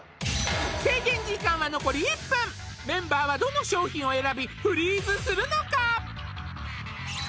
制限時間は残り１分メンバーはどの商品を選びフリーズするのか？